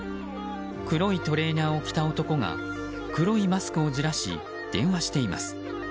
黒いトレーナーを着た男が黒いマスクをずらし電話しています。